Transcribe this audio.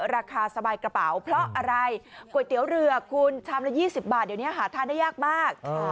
ราคาสบายกระเป๋าเพราะอะไรก๋วยเตี๋ยวเรือคุณชามละ๒๐บาทเดี๋ยวนี้หาทานได้ยากมาก